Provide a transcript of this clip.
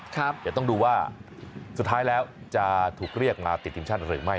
เดี๋ยวต้องดูว่าสุดท้ายแล้วจะถูกเรียกมาติดทีมชาติหรือไม่